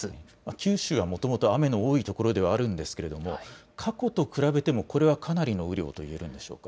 九州はもともと雨の多いところではあるんですけれども過去と比べてもこれはかなりの雨量といえるんでしょうか。